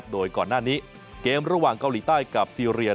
โดยก่อนหน้านี้เกมระหว่างเกาหลีใต้กับซีเรีย